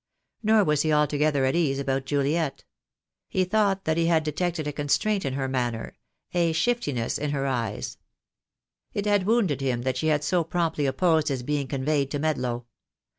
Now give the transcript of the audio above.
Nor was he altogether at ease about Juliet. He thought that he had detected a constraint in her manner, a shiftiness in her THE DAY WILL COME. 2 "J eyes. It had wounded him that she had so promptly opposed his being conveyed to Medlow.